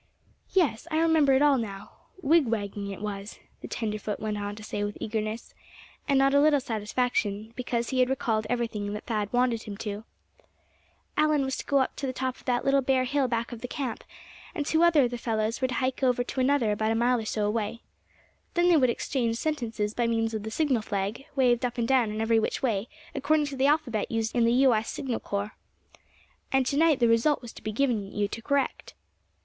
"Yes, I remember it all now wigwagging it was," the tenderfoot went on to say with eagerness, and not a little satisfaction, because he had recalled everything that Thad wanted him to. "Allan was to go up to the top of that little bare hill back of the camp, and two of the other fellows were to hike over to another about a mile or so away. Then they would exchange sentences by means of the signal flag, waved up and down and every which way, according to the alphabet used in the U. S. Signal Corps. And to night the result was to be given to you to correct."